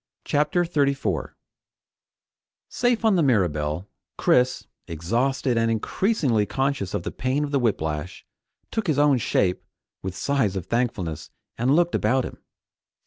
CHAPTER 34 Safe on the Mirabelle, Chris, exhausted and increasingly conscious of the pain of the whiplash, took his own shape with sighs of thankfulness and looked about him.